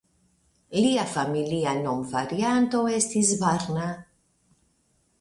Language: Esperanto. Lia familia nomvarianto estis "Barna".